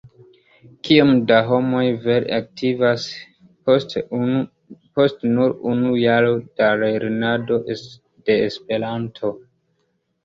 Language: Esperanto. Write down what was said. Kiom da homoj vere aktivas post nur unu jaro da lernado de Esperanto?